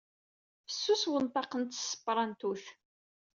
Fessus wenṭaq n tesperantot.